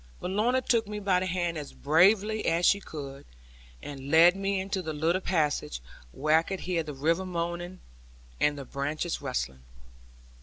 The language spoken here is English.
But Lorna took me by the hand as bravely as she could, and led me into a little passage where I could hear the river moaning and the branches rustling.